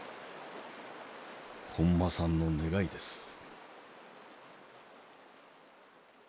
本間さんの願いです。